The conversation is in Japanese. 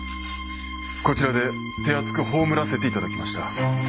こちらで手厚く葬らせて頂きました